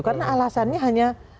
karena alasannya hanya